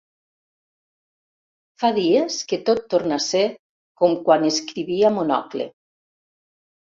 Fa dies que tot torna a ser com quan escrivia Monocle.